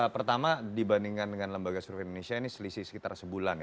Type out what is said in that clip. pertama dibandingkan dengan lembaga survei indonesia ini selisih sekitar sebulan ya